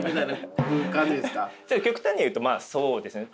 極端に言うとそうですね。